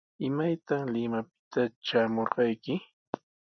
¿Imaytaq Limapita shamurqayki?